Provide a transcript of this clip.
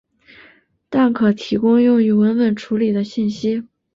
但可提供用于文本处理的信息。